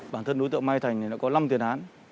bản thân đối tượng mai thành này nó có năm tiền án